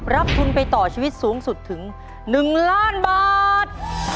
รับทุนไปต่อชีวิตสูงสุดถึง๑ล้านบาท